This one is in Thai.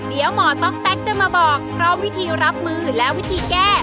เดี๋ยวหมอต๊อกแต๊กจะมาบอกเพราะวิธีรับมือและวิธีแก้